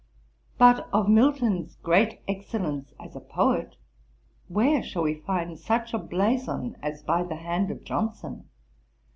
But of Milton's great excellence as a poet, where shall we find such a blazon as by the hand of Johnson?